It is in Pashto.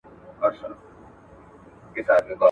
زده کړه د ژوند برخه ده.